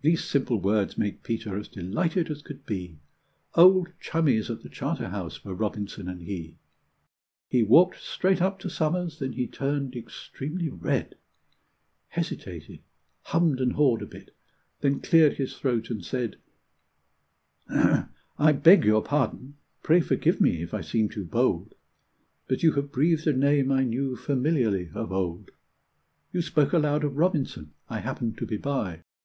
These simple words made Peter as delighted as could be; Old chummies at the Charterhouse were Robinson and he. He walked straight up to Somers, then he turned extremely red, Hesitated, hummed and hawed a bit, then cleared his throat, and said: "I beg your pardon pray forgive me if I seem too bold, But you have breathed a name I knew familiarly of old. You spoke aloud of Robinson I happened to be by.